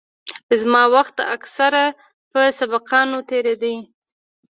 زما وخت اکثره په سبقانو تېرېده.